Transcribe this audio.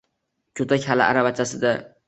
Go‘dak hali aravachasida